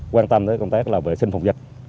quan tâm tới công tác vệ sinh phòng dịch